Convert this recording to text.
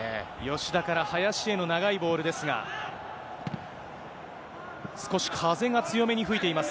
吉田から林への長いボールですが、少し風が強めに吹いています。